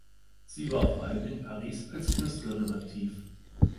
Sie war vor allem in Paris als Künstlerin aktiv.